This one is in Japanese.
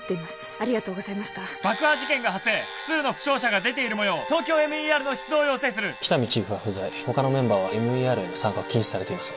ありがとうございました爆破事件が発生複数の負傷者が出ているもようＴＯＫＹＯＭＥＲの出動を要請する喜多見チーフは不在他のメンバーはＭＥＲへの参加を禁止されています